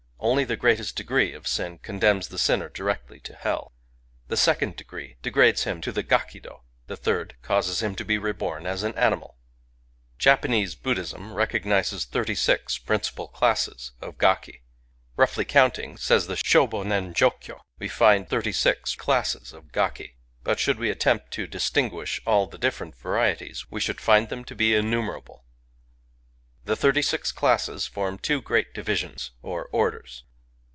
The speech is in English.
Only the greatest degree of sin condemns the sinner directly to hell. The second degree degrades him to the Gakido. The third causes him to be reborn as an animal. Japanese Buddhism recognizes thirty six principal classes of gaki. " Roughly counting," says the SybbTh nen'Jb'kyOy " we fi nd thirty six ^I^ioq^q ^^g?ki: but should we attempt to distinguish all the differ ent varieties, we should find them to be innumera ble." The thirty six classes form two great divisions, or orders.